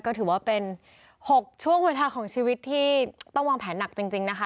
ก็ถือว่าเป็น๖ช่วงเวลาของชีวิตที่ต้องวางแผนหนักจริงนะคะ